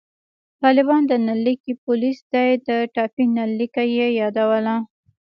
طالبان د نل لیکي پولیس دي، د ټاپي نل لیکه یې یادوله